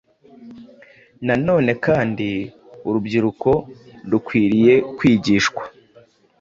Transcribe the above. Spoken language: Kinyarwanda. Na none kandi, urubyiruko rukwiriye kwigishwa